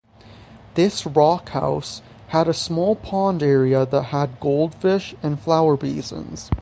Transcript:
This Rock House had a small pond area that had goldfish and flower basins.